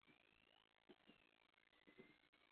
户籍人口为公安机关统计的户口登记人数。